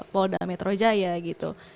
polda metro jaya gitu